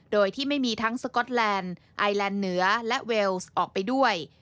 โดยที่ไม่มีทั้งสก๊อตแลนด์ไอแลนด์เหนือและเวลส์ออกไปด้วย